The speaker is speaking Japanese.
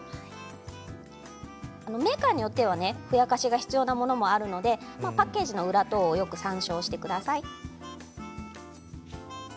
メーカーによっては、ふやかしが必要なものがありますのでパッケージの裏をよく参照してください。